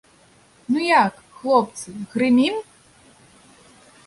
Ну, як, хлопцы, грымім?